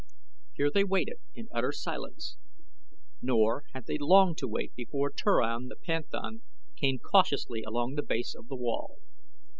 Here they waited in utter silence, nor had they long to wait before Turan the panthan came cautiously along the base of the wall.